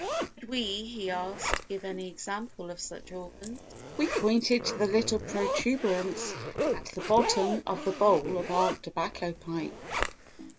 Could we, he asked, give any example of such organs? We pointed to the little protuberance at the bottom of the bowl of our tobacco pipe.